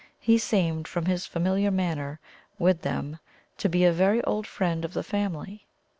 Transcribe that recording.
He seemed, from his familiar manner with them, to be a very old friend of the family.